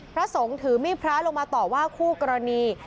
พระสงฆ์ถือมีดพระลงมาต่อว่าคู่กรณี